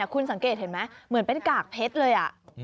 คุณสังเกตเห็นไหมเหมือนเป็นกากเพชรเลย